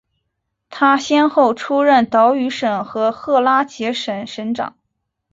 他先后出任岛屿省和拉赫杰省省长。